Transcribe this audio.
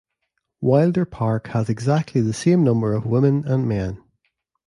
Wilder Park has exactly the same number of women and men.